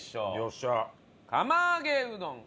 釜揚げうどん